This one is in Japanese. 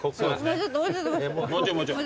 もうちょいもうちょい。